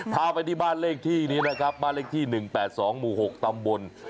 พาไปที่บ้านเลขที่นี้นะครับบ้านเลขที่๑๘๒หมู่๖ตำบล